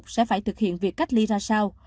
sẽ phải thực hiện việc cách ly ra sao